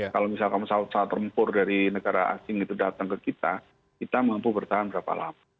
kalau misalkan pesawat tempur dari negara asing itu datang ke kita kita mampu bertahan berapa lama